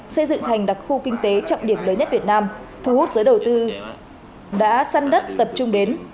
xây dựng thành đặc khu kinh tế trọng điểm lớn nhất việt nam thu hút giới đầu tư đã săn đất tập trung đến